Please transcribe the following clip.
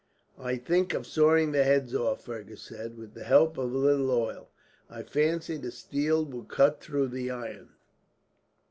"I think of sawing the heads off," Fergus said. "With the help of a little oil, I fancy the steel will cut through the iron.